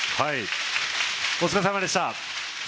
お疲れさまでした。